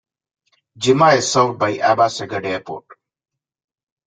Jimma is served by Aba Segud Airport.